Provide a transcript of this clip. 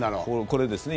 これですね。